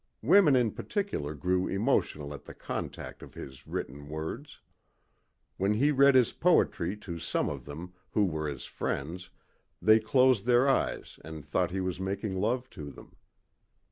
Women in particular grew emotional at the contact of his written words. When he read his poetry to some of them who were his friends they closed their eyes and thought he was making love to them.